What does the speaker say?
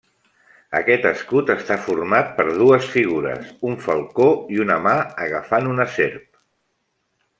Aquest escut està format per dues figures: un falcó i una mà agafant una serp.